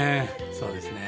そうですね。